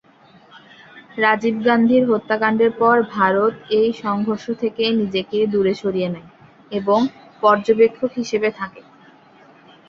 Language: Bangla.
রাজীব গান্ধীর হত্যাকাণ্ডের পর ভারত এই সংঘর্ষ থেকে নিজেকে দূরে সরিয়ে নেয় এবং পর্যবেক্ষক হিসেবে থাকে।